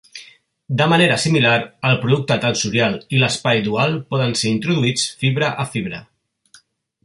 De manera similar, el producte tensorial i l'espai dual poden ser introduïts fibra a fibra.